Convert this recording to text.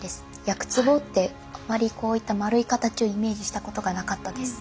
薬壺ってあまりこういった丸い形をイメージしたことがなかったです。